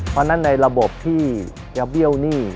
เพราะฉะนั้นในระบบที่จะเบี้ยวหนี้